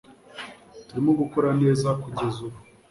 turimo gukora neza kugeza ubu